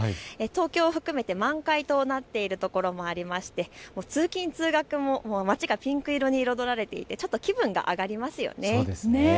東京を含めて満開となっているところもありまして通勤通学も町がピンク色に彩られていてちょっと気分が上がりますよね。